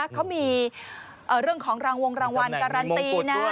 เขามีเรื่องของรางวงรางวัลการันตีนะ